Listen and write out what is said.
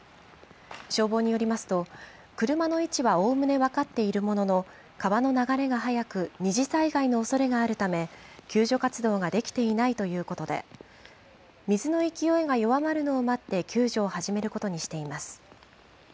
消防によりますと、車の位置はおおむね分かっているものの、川の流れが速く、二次災害のおそれがあるため救助活動ができていないということで、水の勢いが弱まるのを待って救助を始めることにしています。